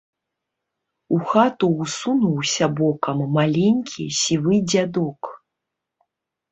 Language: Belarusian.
У хату ўсунуўся бокам маленькі сівы дзядок.